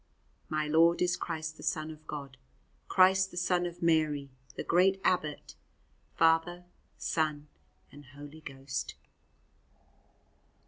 My Lord is Christ the Son of God, Christ, the Son of Mary, the great abbot, Father, Son and Holy Ghost.